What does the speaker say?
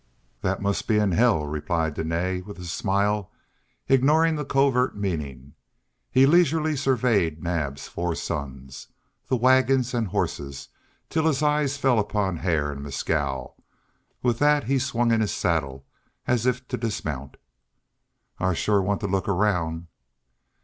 "Thet must be in hell," replied Dene, with a smile, ignoring the covert meaning. He leisurely surveyed Naab's four sons, the wagons and horses, till his eye fell upon Hare and Mescal. With that he swung in his saddle as if to dismount. "I shore want a look around."